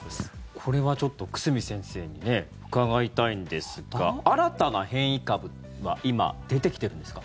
これはちょっと久住先生に伺いたいんですが新たな変異株は今、出てきているんですか？